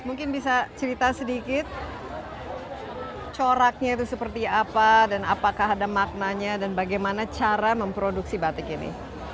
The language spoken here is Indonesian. mungkin bisa cerita sedikit coraknya itu seperti apa dan apakah ada maknanya dan bagaimana cara memproduksi batik ini